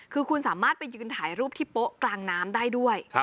คือคุณสามารถไปยืนถ่ายรูปที่โป๊ะกลางน้ำได้ด้วย